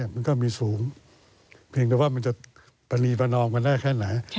มันก็มีสูงเพียงแต่ว่ามันจะปรณีประนอมกันได้แค่ไหน